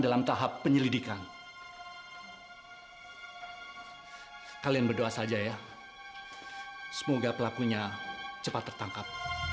dalam tahap penyelidikan kalian berdoa saja ya semoga pelakunya cepat tertangkap